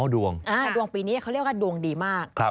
ดวงดวงปีนี้เขาเรียกว่าดวงดีมาก